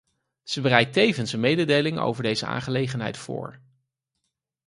Ze bereidt tevens een mededeling over deze aangelegenheid voor.